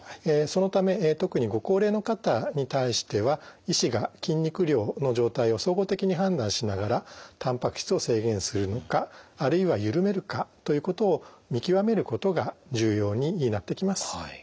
そのため特にご高齢の方に対しては医師が筋肉量の状態を総合的に判断しながらたんぱく質を制限するのかあるいは緩めるかということを見極めることが重要になってきます。